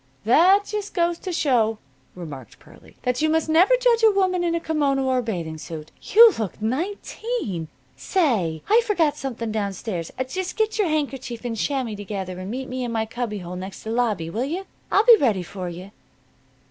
"That just goes to show," remarked Pearlie, "that you must never judge a woman in a kimono or a bathing suit. You look nineteen. Say, I forgot something down stairs. Just get your handkerchief and chamois together and meet in my cubbyhole next to the lobby, will you? I'll be ready for you."